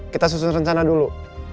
kita susun rencana dulu